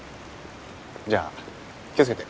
じゃあ気をつけて。